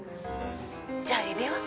じゃあエビは？